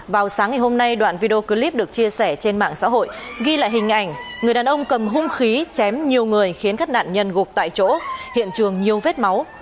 vào sáng ngày hôm nay đoạn video clip được chia sẻ trên mạng xã hội ghi lại hình ảnh người đàn ông cầm hung khí chém nhiều người khiến các nạn nhân gục tại chỗ hiện trường nhiều vết máu